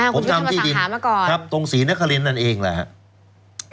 ผมทำที่ดินตรงศรีนคริ้นนั้นเองละครับ